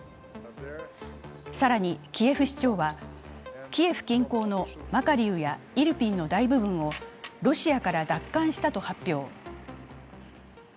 更にキエフ市長はキエフ近郊のマカリウやイルピンの大部分をロシアから奪還したと発表。